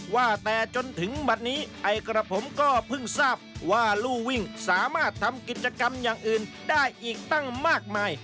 ว่าแต่จนถึงบัตรนี้ไอ้กระผมก็เพิ่งทราบว่าลู่วิ่งสามารถทำกิจกรรมอย่างอื่นได้อีกตั้งมากมาย